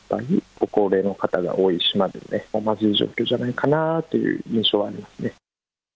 ご高齢の方が多い島ですね、まずい状況じゃないかなという印象はありますね。